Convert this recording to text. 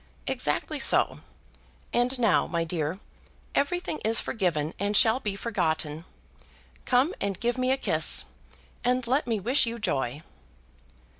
"Exactly so. And now, my dear, everything is forgiven and shall be forgotten. Come and give me a kiss, and let me wish you joy."